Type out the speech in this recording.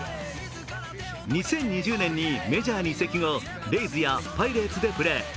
２０２０年にメジャーに移籍後、レイズやパイレーツでプレー。